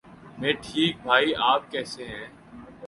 میں ٹھیک بھائی آپ کیسے ہیں؟